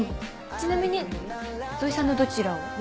ちなみに土居さんのどちらを？